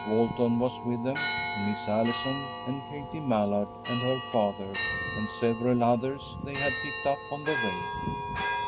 Walton was with them, and Miss Allison and Katie Mallard and her father, and several others they had picked up on the way.